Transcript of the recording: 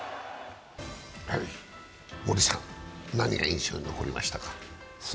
森さん、何が印象に残りましたか？